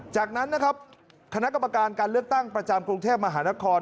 จากนั้นนะครับคณะกรรมการการเลือกตั้งประจำกรุงเทพมหานคร